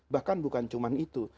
bahkan bukan cuma itu